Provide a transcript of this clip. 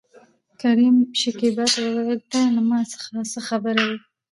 کريم شکيبا ته وويل ته له ما څخه څه خبره يې؟